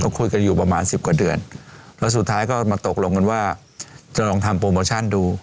คุยกันอยู่ประมาณสิบกว่าเดือนแล้วสุดท้ายก็มาตกลงกันว่าจะลองทำโปรโมชั่นดู